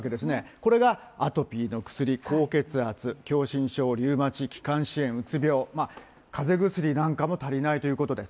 これがアトピーの薬、高血圧、狭心症、リウマチ、気管支炎、うつ病、かぜ薬なんかも足りないということです。